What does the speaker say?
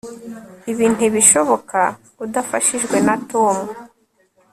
ibi ntibishoboka udafashijwe na tom